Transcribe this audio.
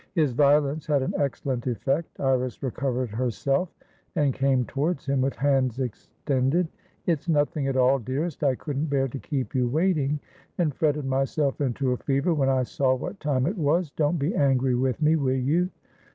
His violence had an excellent effect. Iris recovered herself, and came towards him with hands extended. "It's nothing at all, dearest. I couldn't bear to keep you waiting, and fretted myself into a fever when I saw what time it was. Don't be angry with me, will you?"